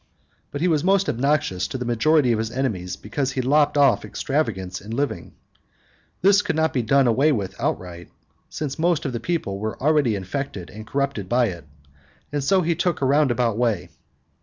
But he was most obnoxious to the majority of his enemies because he lopped off extravagance in living. This could not be done away with outright, since most of the people were already infected and corrupted by it, and so he took a roundabout way.